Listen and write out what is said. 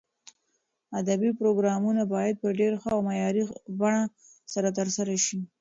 ادبي پروګرامونه باید په ډېر ښه او معیاري بڼه سره ترسره شي.